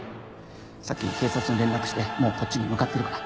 さっき警察に連絡してもうこっちに向かってるから。